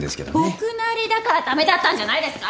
僕なりだから駄目だったんじゃないですか！？